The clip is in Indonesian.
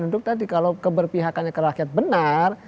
untuk tadi kalau keberpihakannya ke rakyat benar